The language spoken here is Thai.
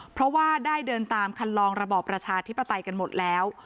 เพราะว่าได้เดินตามคันลองระบอบประชาธิปไตยกันหมดแล้ว